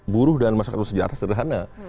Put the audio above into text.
buruh dan masyarakat sederhana